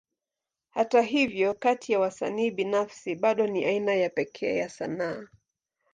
Hata hivyo, kati ya wasanii binafsi, bado ni aina ya pekee ya sanaa.